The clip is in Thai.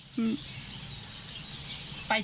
ห้ามให้ฟัง